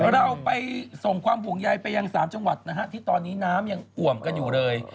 เราไปส่งความห่วงใยไปยัง๓จังหวัดนะฮะที่ตอนนี้น้ำยังอ่วมกันอยู่เลย